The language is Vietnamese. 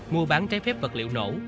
mua bán trái phép vật liệu nổ